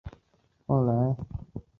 后来贝利纳转向研究航空学。